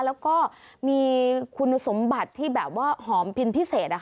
แล้วก็มีคุณสมบัติที่แบบว่าหอมพินพิเศษ